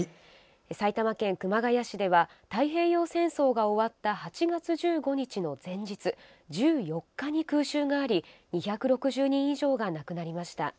埼玉県熊谷市では太平洋戦争が終わった８月１５日の前日、１４日に空襲があり２６０人以上が亡くなりました。